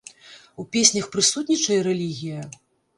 У песнях прысутнічае рэлігія?